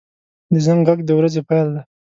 • د زنګ غږ د ورځې پیل دی.